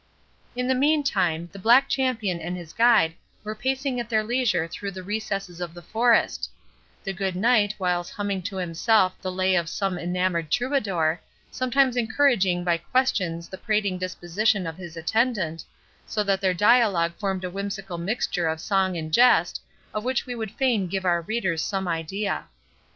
In the meantime, the Black Champion and his guide were pacing at their leisure through the recesses of the forest; the good Knight whiles humming to himself the lay of some enamoured troubadour, sometimes encouraging by questions the prating disposition of his attendant, so that their dialogue formed a whimsical mixture of song and jest, of which we would fain give our readers some idea.